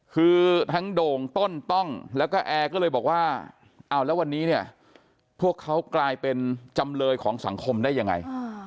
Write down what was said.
คือทั้งโด่งต้นต้องแล้วก็แอร์ก็เลยบอกว่าเอาแล้ววันนี้เนี่ยพวกเขากลายเป็นจำเลยของสังคมได้ยังไง